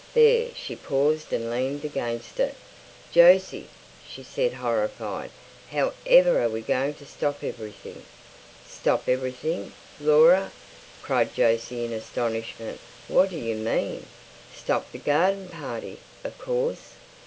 There she paused and leaned against it. "Jose!" she said, horrified, "however are we going to stop everything?" "Stop everything, Laura!" cried Jose in astonishment. "What do you mean?" "Stop the garden party, of course."